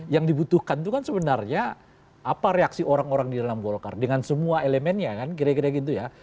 yang dibutuhkan itu kan sebenarnya apa reaksi orang orang di dalam golkar dengan semua elemennya kan kira kira gitu ya